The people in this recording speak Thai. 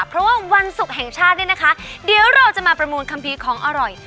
เพราะว่าวันศุกร์แห่งชาติเนี่ยนะคะเดี๋ยวเราจะมาประมูลคัมภีร์ของอร่อย